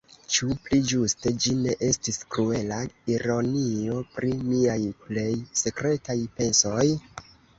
Ĉu pli ĝuste ĝi ne estis kruela ironio pri miaj plej sekretaj pensoj?